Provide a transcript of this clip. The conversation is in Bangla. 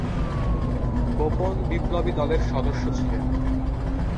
গোপন বিপ্লবী দলের সদস্য ছিলেন।